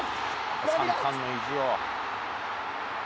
三冠の意地を。